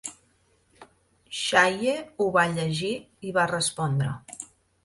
Shaye ho va llegir i va respondre.